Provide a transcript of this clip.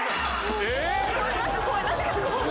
えっ？